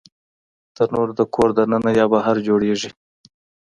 تنور د کور دننه یا بهر جوړېږي